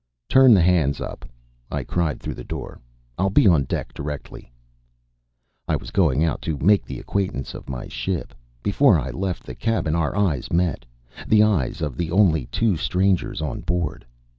"Turn the hands up," I cried through the door. "I'll be on deck directly." I was going out to make the acquaintance of my ship. Before I left the cabin our eyes met the eyes of the only two strangers on board.